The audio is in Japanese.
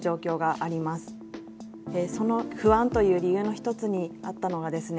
その不安という理由の一つにあったのがですね